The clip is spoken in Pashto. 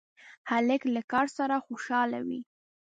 هلک له کار سره خوشحاله وي.